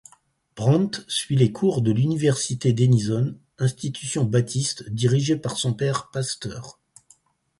Brandt suit les cours de l'université Denison, institution baptiste dirigée par son père pasteur.